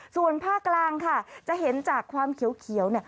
ส่วนภาคกลางค่ะจะเห็นจากความเขียว